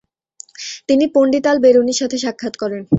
তিনি পণ্ডিত আল বেরুনির সাথে সাক্ষাৎ করেন।